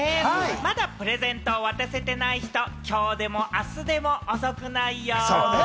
まだプレゼント渡せてない人、今日でも明日でも遅くないよ。